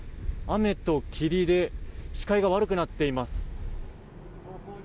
雨と霧で視界が悪くなっています。